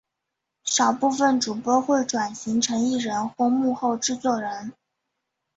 少部份主播会转型成艺人或幕后制作人。